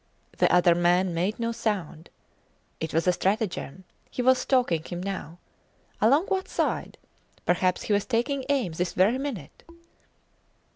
The other man made no sound. It was a stratagem. He was stalking him now! Along what side? Perhaps he was taking aim this very minute!